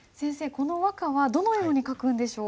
この和歌はどのように書くんでしょう？